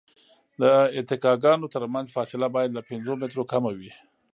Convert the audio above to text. د اتکاګانو ترمنځ فاصله باید له پنځو مترو کمه وي